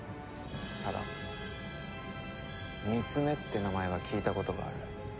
ただミツメって名前は聞いたことがある。